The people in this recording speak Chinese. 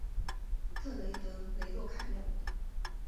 特雷德雷洛凯莫。